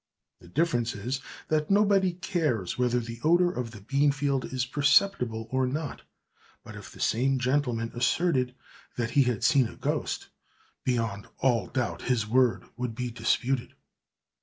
The difference is, that nobody cares whether the odor of the beanfield is perceptible or not: but if the same gentleman asserted that he had seen a ghost, beyond all doubt his word would be disputed.